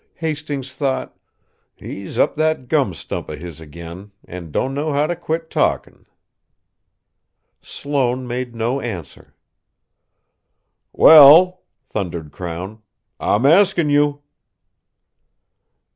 Hastings thought: "He's up that gum stump of his again, and don't know how to quit talking." Sloane made no answer. "Well," thundered Crown. "I'm asking you!"